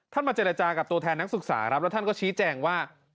มาเจรจากับตัวแทนนักศึกษาครับแล้วท่านก็ชี้แจงว่า